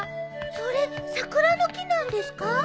それ桜の木なんですか？